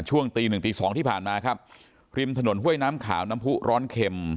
ช่วงตีหนึ่งตีสองที่ผ่านมาครับริมถนนห้วยน้ำขาวน้ำผู้ร้อนเข็ม